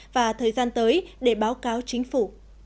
và thời gian tới để báo cáo chính phủ